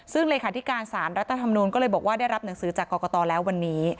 ซึ่งเลขาธิการสารรัฐธรรมนูลก็เลยบอกว่าได้รับหนังสือจากกรกตแล้ววันนี้